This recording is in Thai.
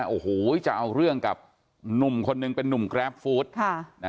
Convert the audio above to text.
โอ้โหจะเอาเรื่องกับหนุ่มคนหนึ่งเป็นนุ่มแกรฟฟู้ด